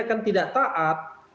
kan tidak taat